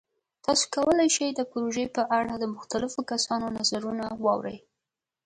تاسو کولی شئ د پروژې په اړه د مختلفو کسانو نظرونه واورئ.